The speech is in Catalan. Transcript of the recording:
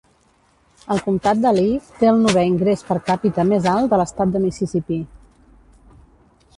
El comtat de Lee té el novè ingrés per càpita més alt de l'Estat de Mississipí.